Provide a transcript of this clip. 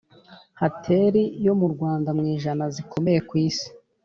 hateli yo mu Rwanda mu ijana zikomeye ku isi